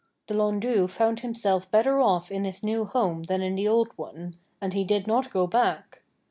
The Lhondoo found himself better off in his new home than in the old one, and he did not go back.